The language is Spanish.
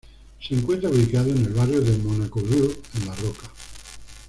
Se encuentra ubicado en el barrio de Monaco-Ville en la Roca.